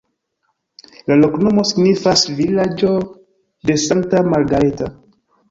La loknomo signifas vilaĝo-de-Sankta Margareta.